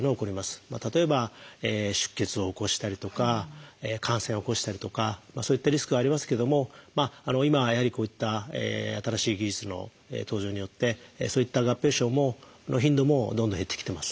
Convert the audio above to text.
例えば出血を起こしたりとか感染を起こしたりとかそういったリスクはありますけども今やはりこういった新しい技術の登場によってそういった合併症の頻度もどんどん減ってきてます。